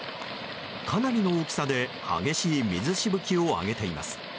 かなりの大きさで激しい水しぶきを上げています。